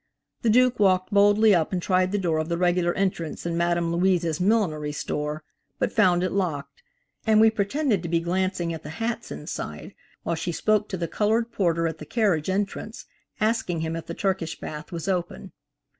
The Duke walked boldly up and tried the door of the regular entrance in Madame Louise's millinery store, but found it locked, and we pretended to be glancing at the hats inside while she spoke to the colored porter at the carriage entrance, asking him if the Turkish bath was open.